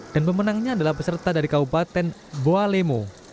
dan pemenangnya adalah peserta dari kabupaten boalemo